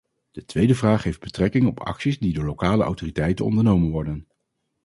De tweede vraag heeft betrekking op acties die door lokale autoriteiten ondernomen worden.